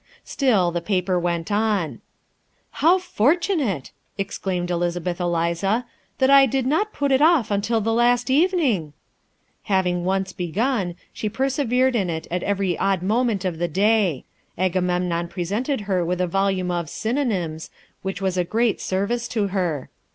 Still the paper went on. "How fortunate," exclaimed Elizabeth Eliza, "that I did not put it off till the last evening!" Having once begun, she persevered in it at every odd moment of the day. Agamemnon presented her with a volume of "Synonymes," which was a great service to her.